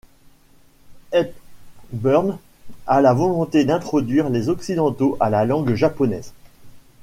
Hepburn a la volonté d'introduire les Occidentaux à la langue japonaise.